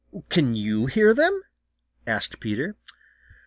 "Can you hear them?" asked Peter.